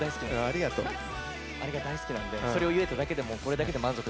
あれが大好きなんでそれを言えただけでもうこれだけで満足です。